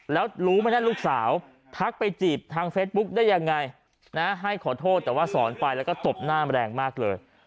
แล้วรู้ไหมนั่นลูกสาวทักไปจีบทางเฟซบุ๊กได้ยังไงนะให้ขอโทษแต่ว่าสอนไปแล้วก็ตบหน้าแรงมากเลย